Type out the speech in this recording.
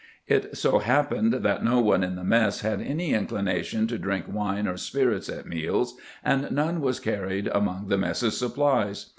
It so hap pened that no one in the mess had any inclination to drink wine or spirits at meals, and none was carried among the mess's supplies.